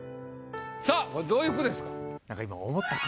さぁこれどういう句ですか？